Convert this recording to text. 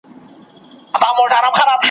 چي پیدا سوه د ماښام ډوډۍ حلاله ,